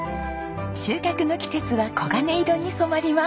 収穫の季節は黄金色に染まります。